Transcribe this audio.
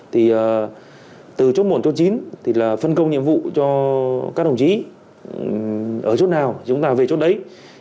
thì từ chốt một chốt chín thì là phân công nhiệm vụ cho các đồng chí ở chỗ nào chúng ta về chốt đấy